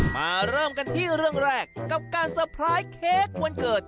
มาเริ่มกันที่เรื่องแรกกับการเตอร์ไพรส์เค้กวันเกิด